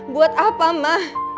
buat apa ma